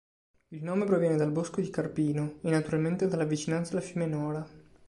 Il nome proviene dal bosco di carpino, e naturalmente dalla vicinanza al fiume Nora.